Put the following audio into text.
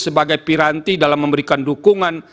sebagai piranti dalam memberikan dukungan